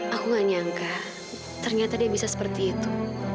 aku gak nyangka ternyata dia bisa seperti itu